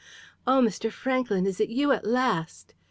"Oh, Mr. Franklyn, is it you at last?"